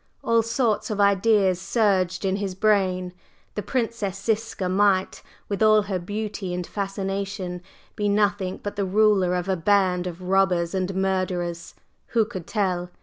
All sorts of ideas surged in his brain: the Princess Ziska might, with all her beauty and fascination, be nothing but the ruler of a band of robbers and murderers who could tell?